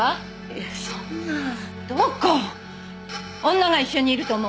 女が一緒にいると思う。